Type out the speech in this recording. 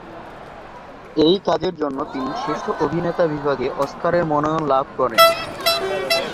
এই কাজের জন্য তিনি শ্রেষ্ঠ অভিনেতা বিভাগে অস্কারের মনোনয়ন লাভ করেন।